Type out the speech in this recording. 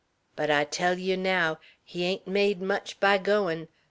But I tell yeow, naow, he hain't made much by goin'!